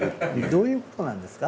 どういうことなんですか？